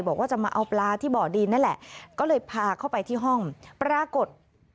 บอกว่าจะมาเอาปลาที่บ่อดินนั่นแหละก็เลยพาเข้าไปที่ห้องปรากฏ